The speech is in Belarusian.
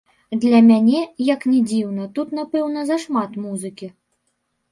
Для мяне, як ні дзіўна, тут, напэўна, зашмат музыкі.